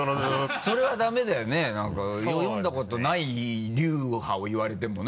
それはダメだよね何か読んだことない流派を言われてもね。